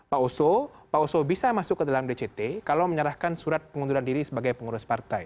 pak oso pak oso bisa masuk ke dalam dct kalau menyerahkan surat pengunduran diri sebagai pengurus partai